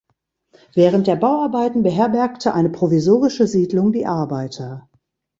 Während der Bauarbeiten beherbergte eine provisorische Siedlung die Arbeiter.